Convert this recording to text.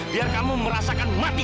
biar kamu merasakan mati dua kali